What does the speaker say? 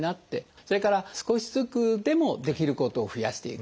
それから少しずつでもできることを増やしていく。